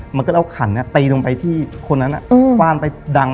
มันก็เอาขันตีลงไปที่คนนั้นฟ่านไปดัง